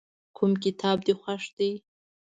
کوم کتاب دې خوښ دی؟